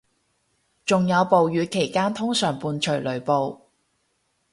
仲有暴雨期間通常伴隨雷暴